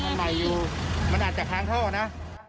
มันใหม่อยู่มันอาจจะค้างท่อนะ